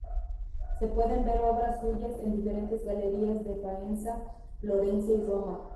Se pueden ver obras suyas en diferentes galerías de Faenza, Florencia y Roma.